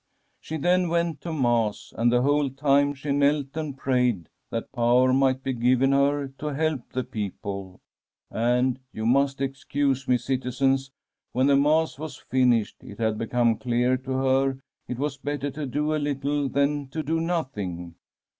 '" She then went to Mass, and the whole time she knelt and prayed that power might be given her to help the people. And — you must excuse me, citizens — when the Mass was finished, it had become clear to her that it was better to do a little than to do nothing.